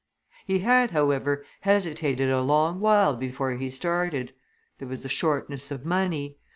He had, however, hesitated a long while before he started. There was a shortness of money.